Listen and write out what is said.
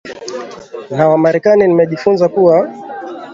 na wamarekani nimejifunza kuwa